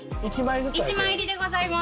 １枚入りでございます。